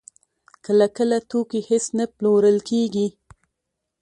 کله کله توکي هېڅ نه پلورل کېږي